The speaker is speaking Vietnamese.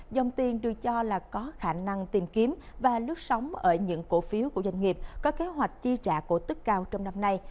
dòng tiền được cho là có khả năng tìm kiếm và lướt sóng ở những cổ phiếu của doanh nghiệp có kế hoạch chi trả cổ tức cao trong năm nay